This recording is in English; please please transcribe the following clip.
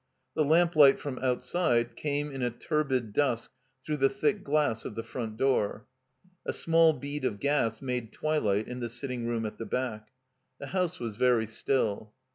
The lamplight from outside came in a tiirbid dusk through the thick glass of the front door. A small bead of gas made twilight in the sitting room at the back. The house was very still.